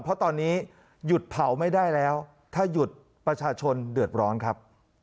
เพราะตอนนี้หยุดเผาไม่ได้แล้วถ้าหยุดประชาชนเดือดร้อนครับ